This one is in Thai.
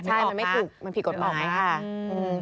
ใช่มันไม่ถูกมันผิดกฎหมายค่ะหรือออกมาอืมหรือออกมา